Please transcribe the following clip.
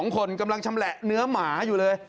๒คนกำลังชำแหละเนื้อหมาอยู่เลย